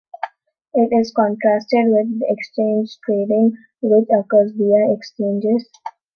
It is contrasted with exchange trading, which occurs via exchanges.